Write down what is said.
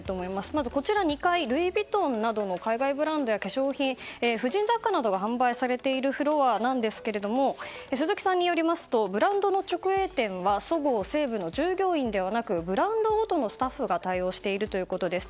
まず２階、ルイ・ヴィトンなどの海外ブランドや化粧品、婦人雑貨などが販売されているフロアですが鈴木さんによりますとブランド直営店はそごう・西武の従業員ではなくブランドごとのスタッフが対応しているということです。